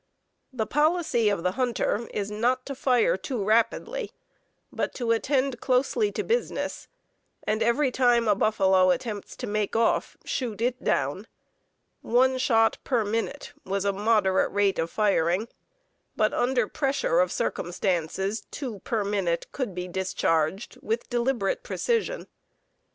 The policy of the hunter is to not fire too rapidly, but to attend closely to business, and every time a buffalo attempts to make off, shoot it down. One shot per minute was a moderate rate of firing, but under pressure of circumstances two per minute could be discharged with deliberate precision.